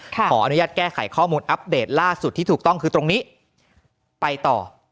ขออนุญาตแก้ไขข้อมูลอัปเดตล่าสุดที่ถูกต้องคือตรงนี้ไปต่อ